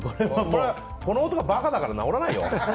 この男は馬鹿だから治らないよ。